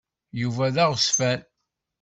Yuba d aɣezfan.